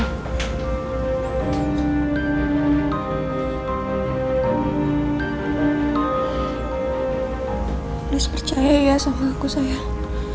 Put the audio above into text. lo harus percaya ya sama aku sayang